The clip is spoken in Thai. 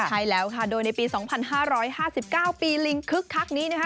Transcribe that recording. ใช่แล้วค่ะโดยในปี๒๕๕๙ปีลิงคึกคักนี้นะคะ